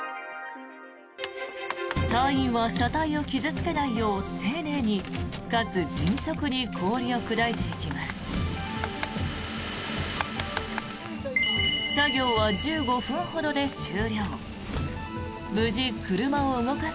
隊員は、車体を傷付けないよう丁寧に、かつ迅速に氷を砕いていきます。